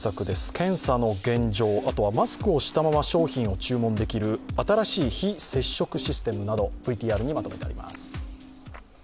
検査の現状、あとはマスクをしたまま商品を注文できる新しい非接触システムなど、ＶＴＲにまとめてあります。